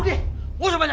ayah mau kemana